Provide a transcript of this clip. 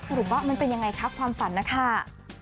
สรุปว่ามันเป็นยังไงคะความฝันนะคะ